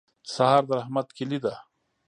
سهار د رحمت کلي ده.